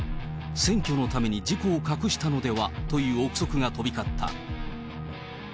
選挙のために事故を隠したのではという臆測が飛び交った。